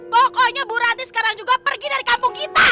pokoknya bu ranti sekarang juga pergi dari kampung kita